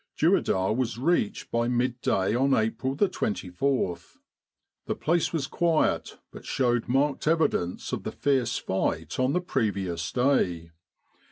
Dueidar was reached by midday on April 24. The place was quiet, but showed marked evidence of the fierce fight on the previous day.